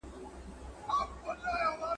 راتلونکی د هڅاندو کسانو انتظار کوي.